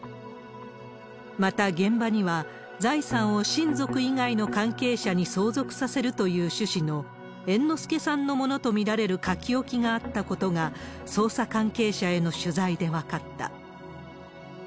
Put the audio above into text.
また、現場には、財産を親族以外の関係者に相続させるという趣旨の猿之助さんのものと見られる書き置きがあったことが、捜査関係者への取材で分かった。